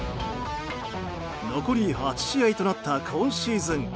残り８試合となった今シーズン。